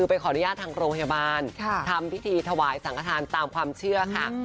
ไปขออนุญาตทางโรงพยาบาลทำพิธีถวายสังขทานตามความเชื่อค่ะ